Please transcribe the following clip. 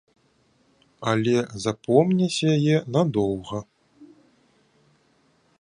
Але запомняць яе надоўга.